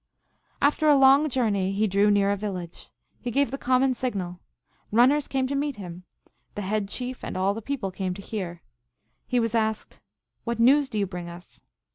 After a long journey he drew near a village. He gave the common signal. Runners came to meet him. The head chief and all the people came to hear. He was asked, " What news do you bring us